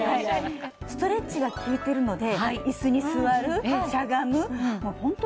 ストレッチがきいてるので椅子に座るしゃがむ本当